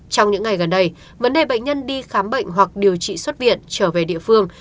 trong những ngày gần đây vấn đề bệnh nhân đi khám bệnh hoặc điều trị xuất viện trở về địa phương